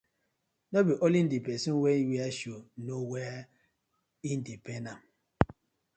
No be only di person wey wear shoe know where e dey pain am.